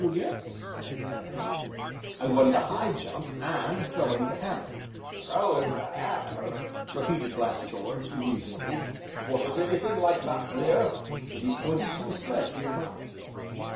"Yes," I answered; "I won the High Jump, and Throwing the Hammer." "Throwin' th' 'ammer!" repeated Black George musingly; "was it anything like that theer?" And he pointed to a sledge near, by.